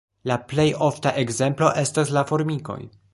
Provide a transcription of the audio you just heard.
La plej ofta ekzemplo estas la formikoj.